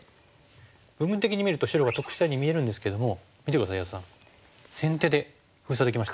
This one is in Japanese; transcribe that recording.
部分的に見ると白が得したように見えるんですけども見て下さい安田さん先手で封鎖できましたよ。